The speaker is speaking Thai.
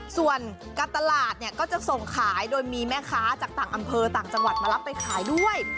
ส่วนการตลาดเนี่ยก็จะส่งขายโดยมีแม่ค้าจากต่างอำเภอต่างจังหวัดมารับไปขายด้วย